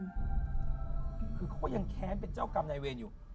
คือเขาก็ยังแค้นเป็นเจ้ากรรมนายเวรอยู่